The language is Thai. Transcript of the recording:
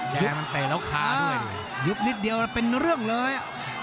แดงมันเตะแล้วค้าด้วยยุบนิดเดียวแล้วเป็นเรื่องเลย